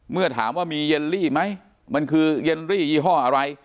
เมื่อถามว่ามีเยลลี่ไหมมันคือเยลรี่ยี่ห้ออะไร